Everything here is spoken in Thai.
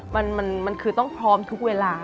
มันคือต้องพร้อมทุกเวลา